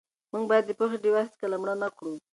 موږ باید د پوهې ډېوه هېڅکله مړه نه کړو.